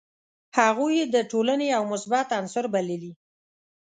هغوی یې د ټولني یو مثبت عنصر بللي.